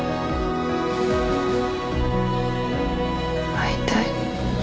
「会いたい。